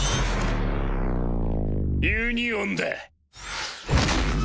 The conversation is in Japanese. ユニオンだ。